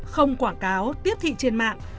không quảng cáo tiếp thị trên mạng